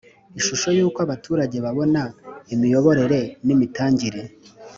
ishusho y uko abaturage babona imiyoborere n imitangire